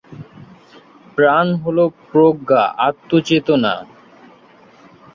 প্রাণ হল প্রজ্ঞা, আত্ম-চেতনা।